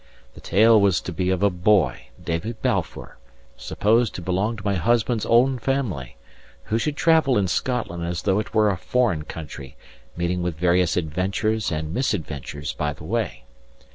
The tale was to be of a boy, David Balfour, supposed to belong to my husband's own family, who should travel in Scotland as though it were a foreign country, meeting with various adventures and misadventures by the way.